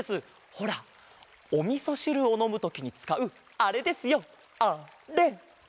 ほらおみそしるをのむときにつかうあれですよあれ。